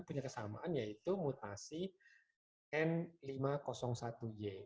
punya kesamaan yaitu mutasi n lima ratus satu y